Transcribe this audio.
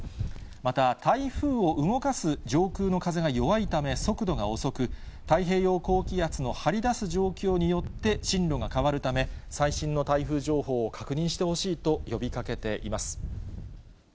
また、台風を動かす上空の風が弱いため速度が遅く、太平洋高気圧の張り出す状況によって進路が変わるため、最新の台風情報を確認してほしいと呼びかけています。